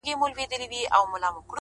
چي بيا ترې ځان را خلاصولای نسم”